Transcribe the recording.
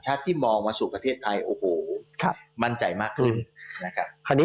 ชาติที่มองมาสู่ประเทศไทยมั่นใจมากขึ้น